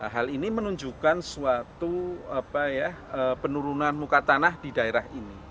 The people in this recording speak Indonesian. hal ini menunjukkan suatu penurunan muka tanah di daerah ini